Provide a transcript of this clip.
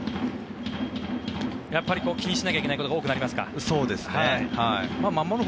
やっぱり気にしなきゃいけないことが多くなりますか。